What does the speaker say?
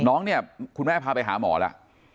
น้องเนี่ยคุณแม่พาไปหาหมอแล้ว